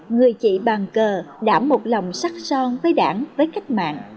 người chị bàn cờ đã một lòng sắc son với đảng với cách mạng